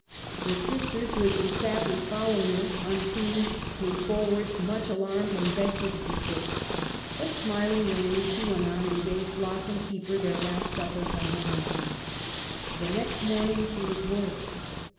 Her sisters, who had been sadly following her, unseen, came forwards much alarmed and begged her to desist ; but, smiling wanly, she went on and gave Floss and Keeper their last supper from her hands. The next morning she was worse.